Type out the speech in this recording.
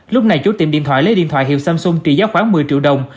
lúc này chú tiệm điện thoại lấy điện thoại hiệu samsung trị giá khoảng một mươi triệu đồng